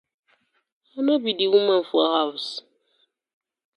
I no bi di woman for haws.